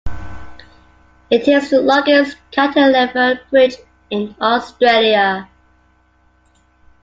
It is the longest cantilever bridge in Australia.